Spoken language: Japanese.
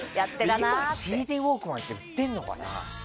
今、ＣＤウォークマンって売ってるのかな。